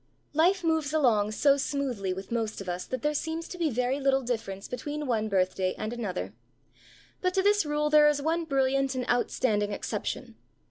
Life moves along so smoothly with most of us that there seems to be very little difference between one birthday and another; but to this rule there is one brilliant and outstanding exception.